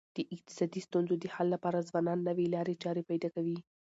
د اقتصادي ستونزو د حل لپاره ځوانان نوي لاري چاري پیدا کوي.